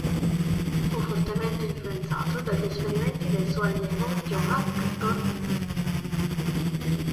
Fu fortemente influenzato dagli esperimenti del suo allievo Johann Gregor Mendel.